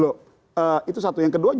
yang kedua justru sebuah pergerakan